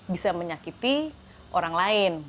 bisa menyakiti orang lain